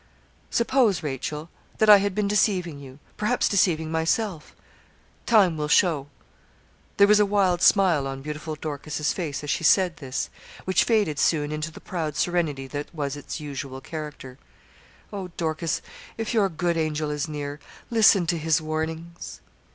'Suppose, Rachel, that I had been deceiving you perhaps deceiving myself time will show.' There was a wild smile on beautiful Dorcas's face as she said this, which faded soon into the proud serenity that was its usual character. 'Oh! Dorcas, if your good angel is near, listen to his warnings.'